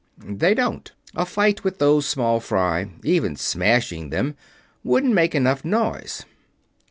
"They don't. A fight with those small fry even smashing them wouldn't make enough noise.